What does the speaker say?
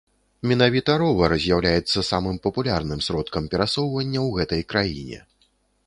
Менавіта ровар з'яўляецца самым папулярным сродкам перасоўвання ў гэтай краіне.